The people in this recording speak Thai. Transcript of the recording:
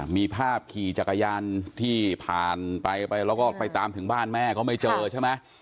มีภาพขี่จักรยานที่ผ่านไปไปแล้วก็ไปตามถึงบ้านแม่ก็ไม่เจอใช่ไหม